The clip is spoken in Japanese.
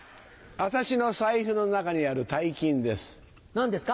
私の財布の中にある大金です。